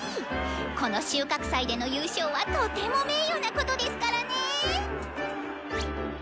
この収穫祭での優勝はとても名誉なことですからね。